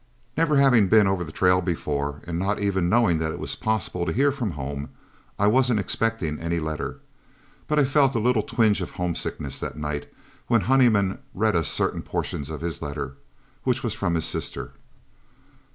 Never having been over the trail before, and not even knowing that it was possible to hear from home, I wasn't expecting any letter; but I felt a little twinge of homesickness that night when Honeyman read us certain portions of his letter, which was from his sister.